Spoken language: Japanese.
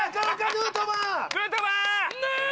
ヌートバー！